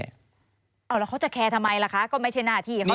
เอาแล้วเขาจะแคร์ทำไมล่ะคะก็ไม่ใช่หน้าที่เขา